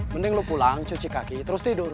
mending lu pulang cuci kaki terus tidur